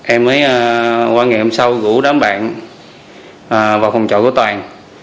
em mới qua ngày hôm sau gửi đám bạn vào phòng trọ của toàn